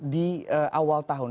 di awal tahun